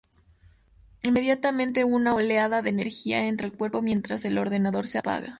Inmediatamente, una oleada de energía entra al cuerpo, mientras el ordenador se apaga.